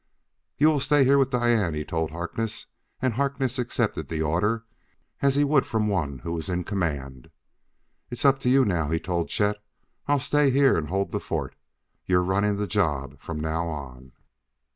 "You will stay here with Diane," he told Harkness. And Harkness accepted the order as he would from one who was in command. "It's up to you now," he told Chet. "I'll stay here and hold the fort. You're running the job from now on."